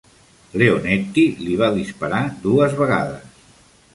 Leonetti li va disparar dues vegades.